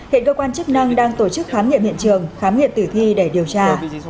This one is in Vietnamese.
hiện cơ quan chức năng đang tổ chức khám nghiệm hiện trường khám nghiệm tử thi để điều tra